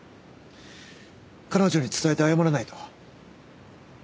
彼女に伝えて謝らないと。